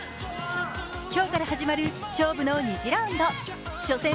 今日から始まる勝負の２次ラウンド初戦